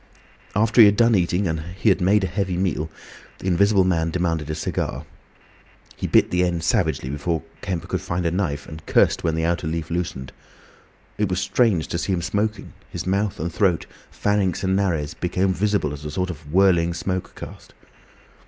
After he had done eating, and he made a heavy meal, the Invisible Man demanded a cigar. He bit the end savagely before Kemp could find a knife, and cursed when the outer leaf loosened. It was strange to see him smoking; his mouth, and throat, pharynx and nares, became visible as a sort of whirling smoke cast.